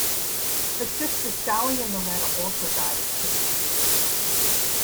Her sisters Sally and Loretta also died of cancer.